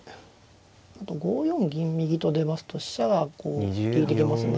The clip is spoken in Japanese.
あと５四銀右と出ますと飛車がこう利いてきますね。